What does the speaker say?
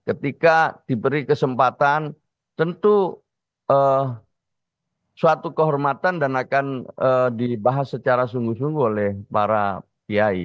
ketika diberi kesempatan tentu suatu kehormatan dan akan dibahas secara sungguh sungguh oleh para kiai